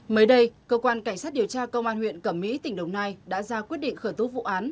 mới đây cơ quan cảnh sát điều tra công an huyện cẩm mỹ tỉnh đồng nai đã ra quyết định khởi tố vụ án